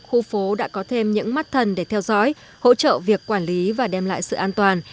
khu phố đã có thêm những mắt thần để theo dõi hỗ trợ việc quản lý và đem lại sự an toàn